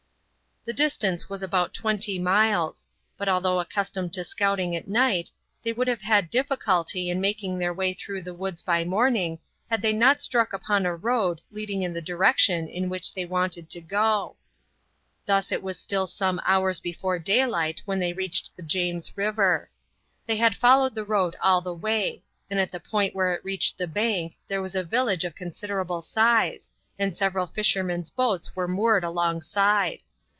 The distance was about twenty miles, but although accustomed to scouting at night, they would have had difficulty in making their way through the woods by morning had they not struck upon a road leading in the direction in which they wanted to go. Thus it was still some hours before daylight when they reached the James River. They had followed the road all the way, and at the point where it reached the bank there was a village of considerable size, and several fishermen's boats were moored alongside.